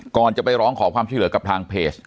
ก่อนจะไปร้องขอความช่วยเหลือกับทางเพจ